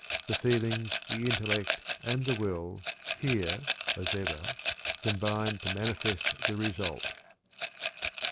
The feelings, the intellect, and the will here, as ever combine to manifest the result.